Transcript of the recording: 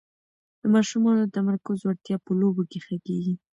د ماشومانو د تمرکز وړتیا په لوبو کې ښه کېږي.